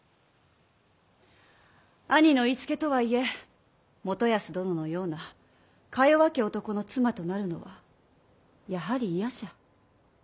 兄の言いつけとはいえ元康殿のようなかよわき男の妻となるのはやはり嫌じゃ。